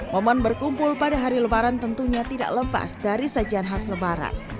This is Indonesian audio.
momen berkumpul pada hari lebaran tentunya tidak lepas dari sajian khas lebaran